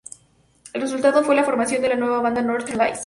El resultado fue la formación de la nueva banda Northern Lights.